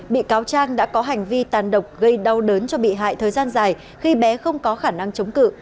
bị cáo trang đã có hành vi tàn độc gây đau đớn cho bị hại thời gian dài khi bé không có khả năng chống cự